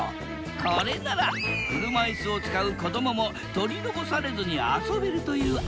これなら車いすを使う子どもも取り残されずに遊べるという案だ。